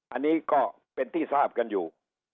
อันนี้ก็เป็นที่ทราบกันอยู่